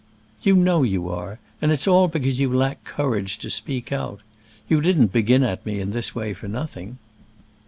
"You know you are; and it's all because you lack courage to speak out. You didn't begin at me in this way for nothing."